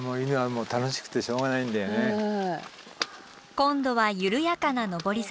今度は緩やかな上り坂。